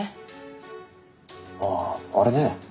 あああれね。